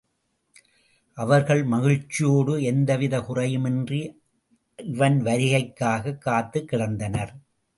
அவர்கள் மகிழ்ச்சியோடு எந்தவிதக் குறையும் இன்றி இவன் வருகைக்காகக் காத்துக் கிடந்தனர்.